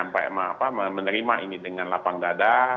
hikmahnya mudah mudahan kita bisa menerima ini dengan lapang dada